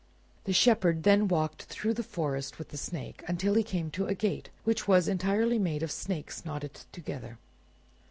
The Shepherd then walked through the forest with the Snake until he came to a gate which was entirely made of snakes knotted together.